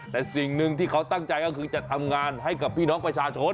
แต่สิ่งหนึ่งที่เขาตั้งใจก็คือจะทำงานให้กับพี่น้องประชาชน